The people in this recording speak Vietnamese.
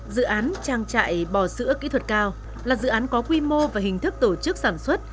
dự án trang trại bò sữa kỹ thuật cao là dự án có quy mô và hình thức tổ chức sản xuất